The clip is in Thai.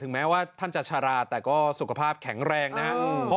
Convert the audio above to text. ถึงแม้ว่าท่านจัดชาราธิ์แต่ก็สุขภาพแข็งแรงนะอืม